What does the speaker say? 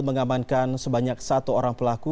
mengamankan sebanyak satu orang pelaku